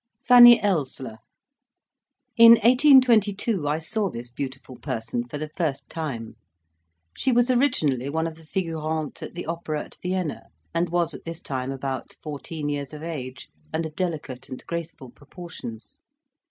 FANNY ELSSLER In 1822 I saw this beautiful person for the first time. She was originally one of the figurantes at the opera at Vienna, and was at this time about fourteen years of age, and of delicate and graceful proportions.